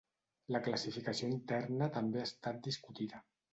La classificació interna també ha estat discutida.